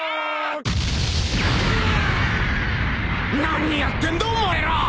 何やってんだお前ら！